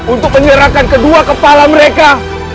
untuk menyerahkan kedua kepala mereka